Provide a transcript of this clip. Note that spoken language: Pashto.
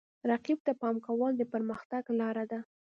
رقیب ته پام کول د پرمختګ لاره ده.